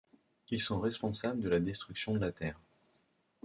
Ils sont responsables de la destruction de la Terre.